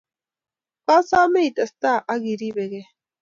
kosome itestai ak iribekei